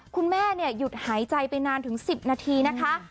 คุณแม่หยุดหายใจไปนานถึง๑๐นาทีนะคะ